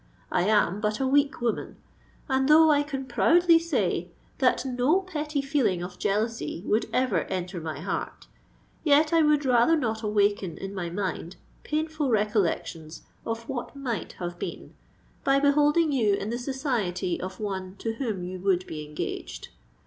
I am but a weak woman;—and though I can proudly say that no petty feeling of jealousy would ever enter my heart—yet I would rather not awaken in my mind painful recollections of what might have been, by beholding you in the society of one to whom you would be engaged.